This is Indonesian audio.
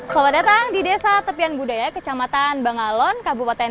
selamat datang di desa tepian budaya kecamatan bangalon kabupaten